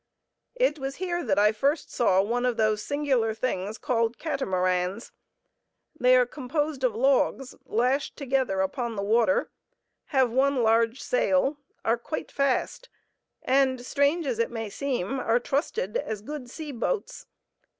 It was here that I first saw one of those singular things called catamarans. They are composed of logs lashed together upon the water; have one large sail, are quite fast, and, strange as it may seem, are trusted as good sea boats.